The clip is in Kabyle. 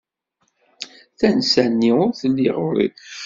Tansa-nni ur telli ɣer-i.